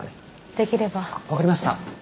できればわかりました